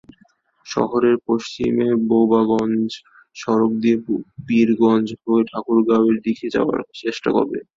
শহরের পশ্চিমে বোচাগঞ্জ সড়ক দিয়ে পীরগঞ্জ হয়ে ঠাকুরগাঁওয়ের দিকে যাওয়ার চেষ্টা করে।